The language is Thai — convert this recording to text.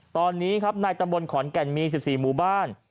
ตอนนี้ครับในตำบลขอนแก่นมี๑๔หมู่บ้าน